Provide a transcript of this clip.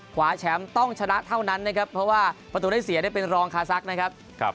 ขวาแชมป์ต้องชนะเท่านั้นนะครับเพราะว่าประตูได้เสียได้เป็นรองคาซักนะครับ